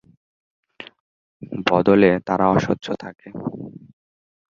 বদলে, তারা অস্বচ্ছ থাকে।